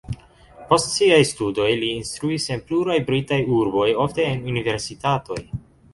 Post siaj studoj li instruis en pluraj britaj urboj, ofte en universitatoj.